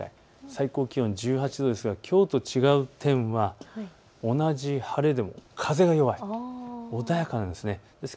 最高気温１８度ですからきょうと違う点は同じ晴れでも風が弱い、穏やかなんです。